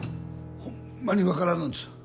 ホンマに分からんのです。